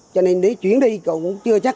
cho nên để chuyển đi cũng chưa chắc